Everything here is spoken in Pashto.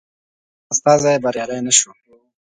هغه استازی بریالی نه شو.